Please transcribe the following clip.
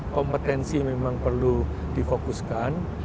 kompetensi memang perlu difokuskan